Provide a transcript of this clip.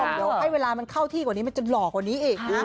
เดี๋ยวให้เวลามันเข้าที่กว่านี้มันจะหล่อกว่านี้อีกนะ